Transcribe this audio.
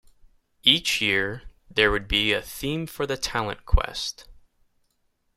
Each year, there would be a theme for the Talent Quest.